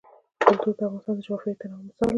کلتور د افغانستان د جغرافیوي تنوع مثال دی.